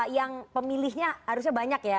yang pemilihnya harusnya banyak ya